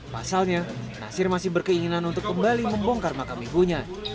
pasalnya nasir masih berkeinginan untuk kembali membongkar makam ibunya